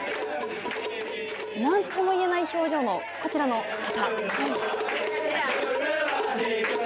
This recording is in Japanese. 何とも言えない表情のこちらの方。